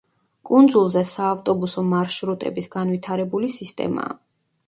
კუნძულზე საავტობუსო მარშრუტების განვითარებული სისტემაა.